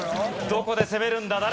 どこで攻めるんだ？